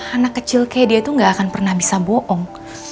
anak kecil kayak dia itu gak akan pernah bisa bohong